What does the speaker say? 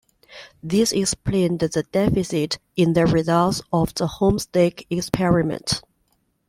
This explained the deficit in the results of the Homestake experiment.